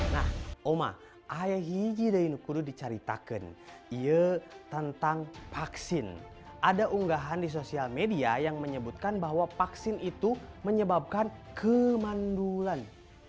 nah umma ada yang di ceritakan tentang vaksin ada unggahan di sosial media yang menyebutkan bahwa vaksin itu menyebabkan kemandulan